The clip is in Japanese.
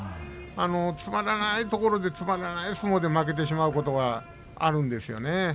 つまらないところでつまらない相撲で負けてしまうところがあるんですよね。